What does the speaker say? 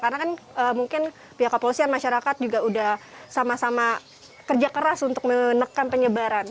karena kan mungkin pihak kepolisian masyarakat juga udah sama sama kerja keras untuk menekan penyebaran